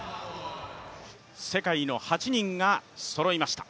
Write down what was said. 世界の８人がそろいました。